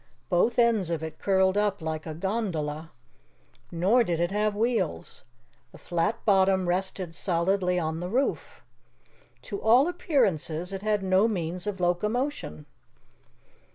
Both ends of it curled up like a gondola. Nor did it have wheels. The flat bottom rested solidly on the roof. To all appearances it had no means of locomotion.